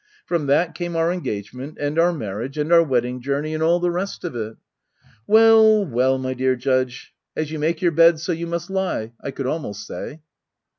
From that came our engagement and our marriage^ and our wedding journey^ and all the rest of it. Well, well, my dear Judge — as you make your bed so you must lie^ I could almost say.